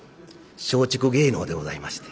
松竹芸能でございまして。